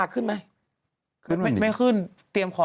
คู่กรรม